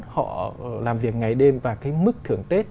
họ làm việc ngày đêm và cái mức thưởng tết